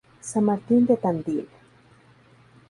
San Martín de Tandil.